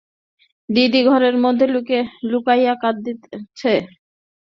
দিদি ঘরের মধ্যে লুকিয়ে কাঁদলেন।